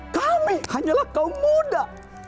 kami hanyalah kaum muda